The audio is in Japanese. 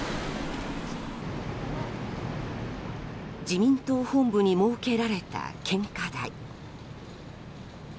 自民党本部に設けられた献花台。